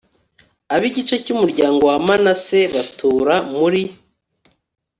Ab igice cy umuryango wa Manase batura muri